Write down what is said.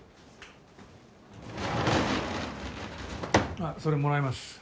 あっそれもらいます。